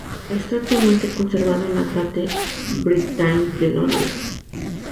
Está actualmente conservado en la Tate Britain de Londres.